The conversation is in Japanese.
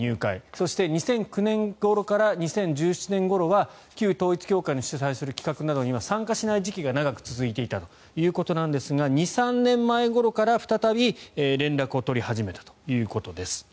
そして、２００９年ごろから２０１７年ごろは旧統一教会が主催する企画には参加しない時期が長く続いていたということなんですが２３年ごろくらい前から再び連絡を取り始めたということです。